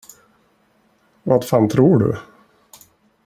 Vad fan tror du?